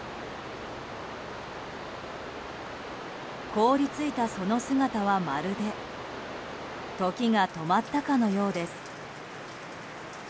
凍り付いたその姿はまるで時が止まったかのようです。